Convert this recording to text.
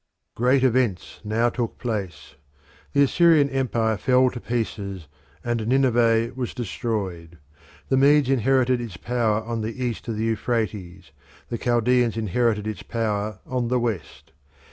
Great events now took place. The Assyrian empire fell to pieces, and Nineveh was destroyed. The Medes inherited its power on the east of the Euphrates; the Chaldeans inherited its power on the west.